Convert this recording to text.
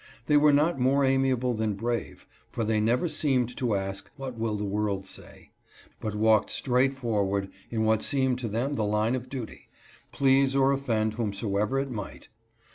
They were not more amiable than brave, for they never seemed to ask, What will the world say ? but walked straight forward in what seemed to them the line of duty, please or offend whomsoever it might.